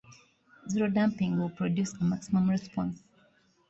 Zero damping will produce a maximum response.